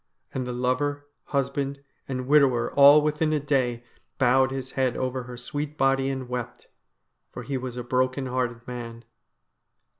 And the lover, husband, and widower, all within a day, bowed his head over her sweet body and wept, for he was a broken hearted man.